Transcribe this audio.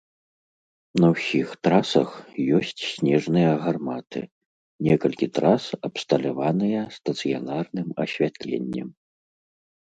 На ўсіх трасах ёсць снежныя гарматы, некалькі трас абсталяваныя стацыянарным асвятленнем.